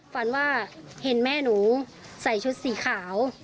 ฝันว่าเห็นแม่หนูใส่ชุดสีขาว